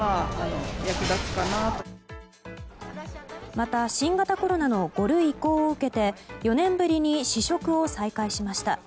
また、新型コロナの５類移行を受けて４年ぶりに試食を再開しました。